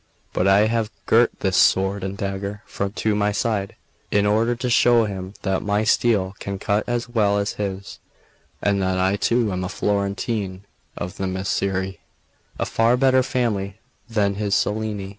But I have girt this sword and dagger to my side in order to show him that my steel can cut as well as his, and that I too am a Florentine, of the Micceri, a far better family than his Cellini."